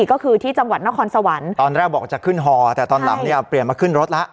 ก็คือที่จังหวัดนครสวรรค์ตอนแรกบอกจะขึ้นฮอแต่ตอนหลังเนี่ยเปลี่ยนมาขึ้นรถแล้ว